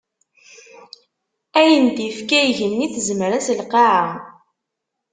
Ayen d-ifka igenni, tezmer-as lqaɛa.